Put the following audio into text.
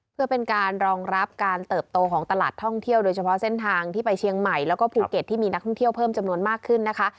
เพื่อเป็นการรองรับการเติบโตของตลาดท่องเที่ยวโดยเฉพาะเส้นทางที่ไปเชียงใหม่แล้วก็ภูเก็ตที่มีนักท่องเที่ยวเพิ่มจำนวนมากขึ้นนะคะ